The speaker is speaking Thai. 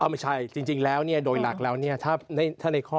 ไม่ใช่จริงแล้วโดยหลักแล้วเนี่ยถ้าในข้อ